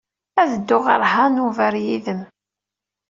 Ad dduɣ ɣer Hanover yid-m.